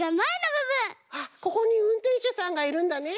あっここにうんてんしゅさんがいるんだね。